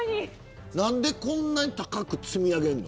何でこんなに高く積み上げてるの。